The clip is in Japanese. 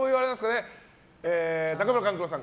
中村勘九郎さん